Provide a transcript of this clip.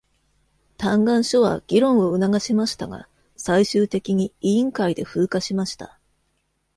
請願書は議論を促しましたが、最終的に委員会で風化しました。